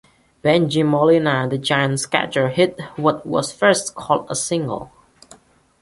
Bengie Molina, the Giants' catcher, hit what was first called a single.